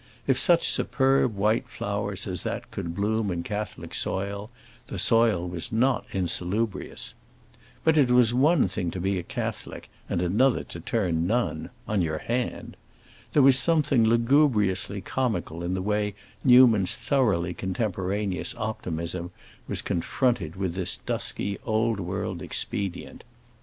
If such superb white flowers as that could bloom in Catholic soil, the soil was not insalubrious. But it was one thing to be a Catholic, and another to turn nun—on your hand! There was something lugubriously comical in the way Newman's thoroughly contemporaneous optimism was confronted with this dusky old world expedient.